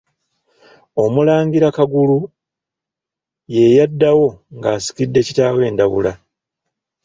OMULANGIRA Kagulu ye yaddawo ng'asikidde kitaawe Ndawula.